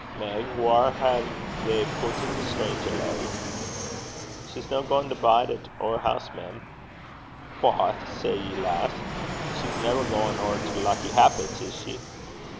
'Meg, whaur hae they putten the stranger leddy?' 'She's no gaein' to bide at our hoose, mem.' 'What say ye, lass? She's never gaein' ower to Lucky Happit's, is she?'